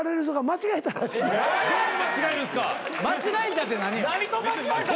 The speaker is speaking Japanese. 間違えたって何よ。